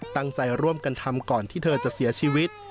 ตั้งใจร่วมกันทำก่อนที่เธอจะเสียชีวิต